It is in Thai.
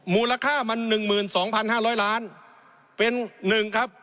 มูลค่ามัน๑๒๕๐๐ล้านเป็น๑ครับ